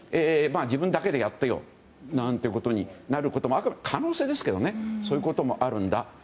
自分だけでやってよなんてことになることもあくまで可能性ですけどそういうこともあるんだと。